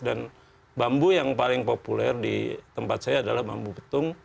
dan bambu yang paling populer di tempat saya adalah bambu betung